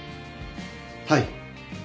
はい。